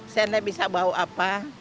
saya tidak bisa bau apa